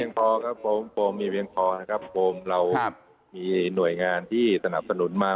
พอครับโฟมมีเพียงพอนะครับโฟมเรามีหน่วยงานที่สนับสนุนมา